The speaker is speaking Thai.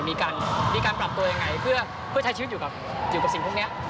มีการปรับตัวยังไงเพื่อใช้ชีวิตอยู่กับสิ่งพวกนี้